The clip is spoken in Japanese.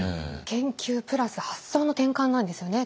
研究プラス発想の転換なんですよね。